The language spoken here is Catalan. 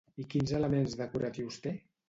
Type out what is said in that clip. I quins elements decoratius té?